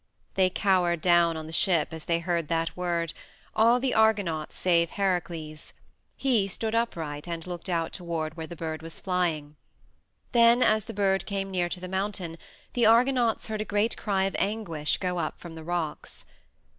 They cowered down on the ship as they heard that word all the Argonauts save Heracles; he stood upright and looked out toward where the bird was flying. Then, as the bird came near to the mountain, the Argonauts heard a great cry of anguish go up from the rocks.